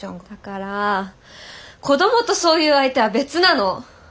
だから子どもとそういう相手は別なの！